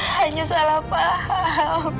hanya salah paham